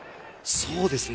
そうですね。